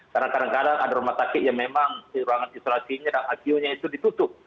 kadang kadang ada rumah sakit yang memang ruangan isolasinya dan aqi nya itu ditutup